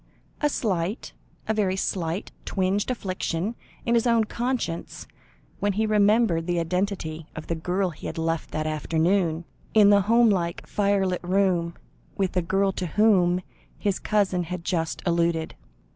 A slight, a very slight, twinge afflicted his own conscience, when he remembered the identity of the girl he had left that afternoon, in the home like, firelit room, with the girl to whom his cousin had just alluded.